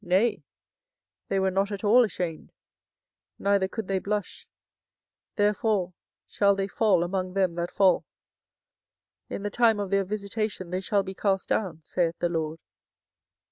nay, they were not at all ashamed, neither could they blush: therefore shall they fall among them that fall: in the time of their visitation they shall be cast down, saith the LORD.